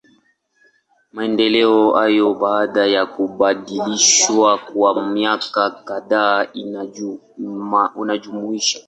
Maendeleo hayo, baada ya kubadilishwa kwa miaka kadhaa inajumuisha.